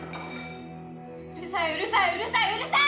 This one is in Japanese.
うるさいうるさいうるさいうるさい！